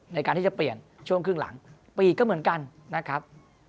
ในการที่จะเปลี่ยนช่วงครึ่งหลังปีกก็เหมือนกันนะครับ